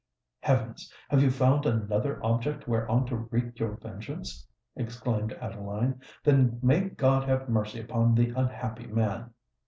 "Heavens! have you found another object whereon to wreak your vengeance?" exclaimed Adeline. "Then may God have mercy upon the unhappy man!"